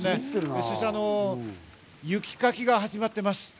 そして雪かきが始まっています。